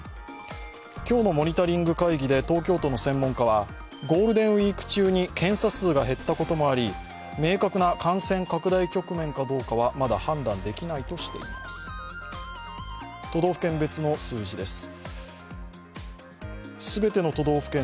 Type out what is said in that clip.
今日のモニタリング会議で東京都の専門家は、ゴールデンウイーク中に検査数が減ったこともあり明確な感染拡大局面かどうかはまだ判断できないとしています。